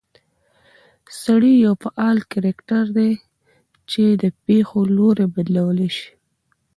سړى يو فعال کرکټر دى، چې د پېښو لورى بدلولى شي